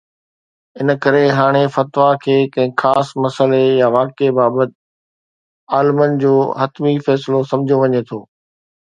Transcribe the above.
ان ڪري هاڻي فتويٰ کي ڪنهن خاص مسئلي يا واقعي بابت عالمن جو حتمي فيصلو سمجهيو وڃي ٿو.